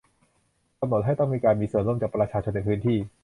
กำหนดให้ต้องมีการมีส่วนร่วมจากประชาชนในพื้นที่